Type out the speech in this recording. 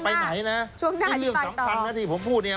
ช่วงหน้าอธิบายต่อมีเรื่องสำคัญนะที่ผมพูดเนี่ย